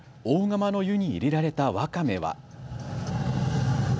大釜の湯に入れられたわかめは。